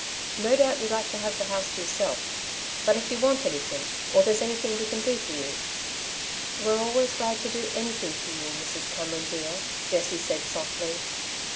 No doubt you'll like to have the house to yourself, but if you want anything, or there's anything we can do for you " "We're always glad to do anything for you, Mrs. Cameron, dear," Jessie said softly.